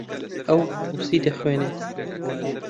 ئەو ڕووسی دەخوێنێت.